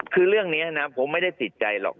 คือเรื่องนี้นะผมไม่ได้ติดใจหรอก